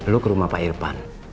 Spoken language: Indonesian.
lu ke rumah pak irfan